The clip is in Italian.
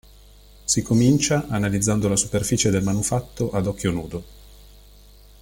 Si comincia analizzando la superficie del manufatto ad occhio nudo.